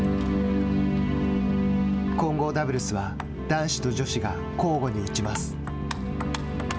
混合ダブルスは男子と女子が交互に打ちます。